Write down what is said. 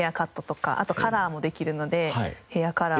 あとカラーもできるのでヘアカラーを。